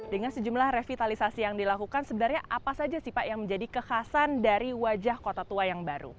dengan sejumlah revitalisasi yang dilakukan sebenarnya apa saja sih pak yang menjadi kekhasan dari wajah kota tua yang baru